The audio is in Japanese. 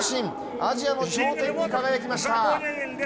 アジアの頂点に輝きました。